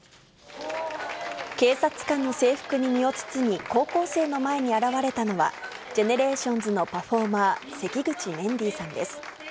警察官の制服に身を包み、高校生の前に現れたのは、ＧＥＮＥＲＡＴＩＯＮＳのパフォーマー、関口メンディーさんです。